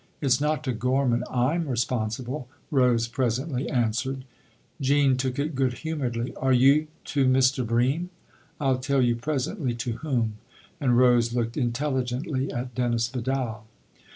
" It's not to Gorman I'm responsible," Rose presently answered. 222 THE OTHER HOUSE Jean took it good humouredly. " Are you to Mr. Bream ?"" I'll tell you presently to whom." And Rose looked intelligently at Dennis Vidal.